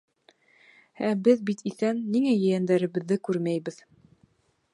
Ә беҙ бит иҫән, ниңә ейәндәребеҙҙе күрмәйбеҙ?